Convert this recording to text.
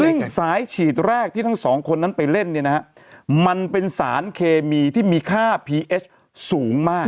สายฉีดแรกที่ทั้งสองคนนั้นไปเล่นเนี่ยนะฮะมันเป็นสารเคมีที่มีค่าพีเอสสูงมาก